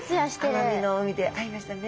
奄美の海で会いましたね！